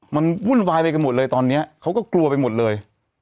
มันวุ่นวายไปกันหมดเลยตอนนี้เขาก็กลัวไปหมดเลย